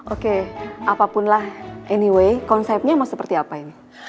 oke apapun lah anyway konsepnya mau seperti apa ini